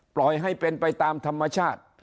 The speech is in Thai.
ปล่อยให้เป็นไปตามธรรมชาติ